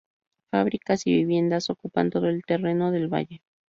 Fábricas y viviendas ocupan todo el terreno del valle.